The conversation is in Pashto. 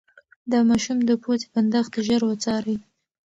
د ماشوم د پوزې بندښت ژر وڅارئ.